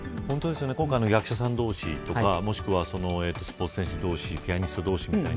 今回、役者さん同士とかもしくはスポーツ選手同士ピアニスト同士みたいに